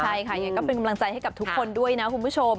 ใช่ค่ะยังไงก็เป็นกำลังใจให้กับทุกคนด้วยนะคุณผู้ชม